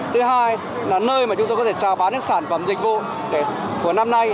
thứ hai là nơi mà chúng tôi có thể trào bán những sản phẩm dịch vụ của năm nay